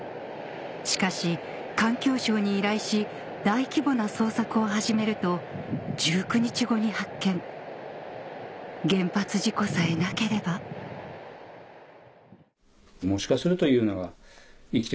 しかし環境省に依頼し大規模な捜索を始めると１９日後に発見原発事故さえなければもしかすると。